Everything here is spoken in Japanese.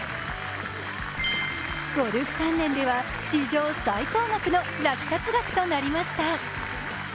ゴルフ関連では史上最高額の落札額となりました。